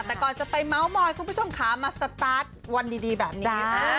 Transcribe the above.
แต่ก่อนจะไปเมาส์มอยคุณผู้ชมขามาสตาร์ทวันดีแบบนี้